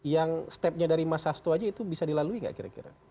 yang stepnya dari mas hasto aja itu bisa dilalui nggak kira kira